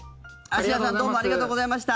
あしやさん、どうもありがとうございました。